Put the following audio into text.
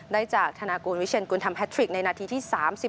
ได้จากธนากูลวิเชียนกุลทำแททริกในนาทีที่๓๑